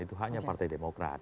itu haknya partai demokrat